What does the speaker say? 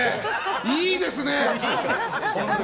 いいですね！